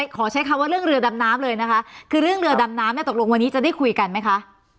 ขอใช้คำว่าเรื่องเรือดำน้ำเลยนะคะคือเรื่องเรือดำน้ำเนี่ยตกลงวันนี้จะได้คุยกันไหมคะ